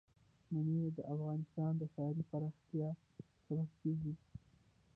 منی د افغانستان د ښاري پراختیا سبب کېږي.